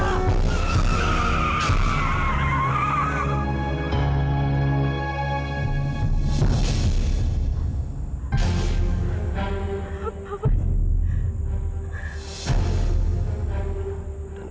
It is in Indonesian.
aku mendengar sendiri